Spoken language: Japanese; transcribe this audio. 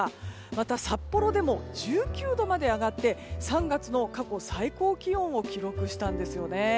また札幌でも１９度まで上がって３月の過去最高気温を記録したんですよね。